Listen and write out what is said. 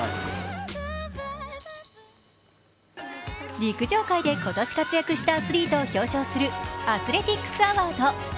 陸上界で今年活躍したアスリートを表彰するアスレティックス・アワード。